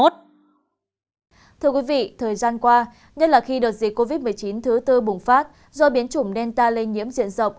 thưa quý vị thời gian qua nhất là khi đợt dịch covid một mươi chín thứ tư bùng phát do biến chủng delta lây nhiễm diện rộng